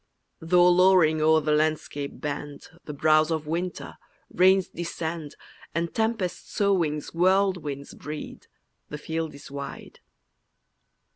Though lowering o'er the landscape bend The brows of winter, rains descend, And tempest sowings whirlwinds breed, The field is wide.